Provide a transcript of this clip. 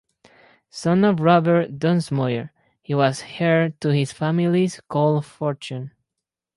Son of Robert Dunsmuir, he was heir to his family's coal fortune.